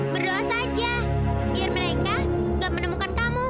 berdoa saja biar mereka gak menemukan kamu